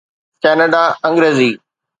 Canada Angrezi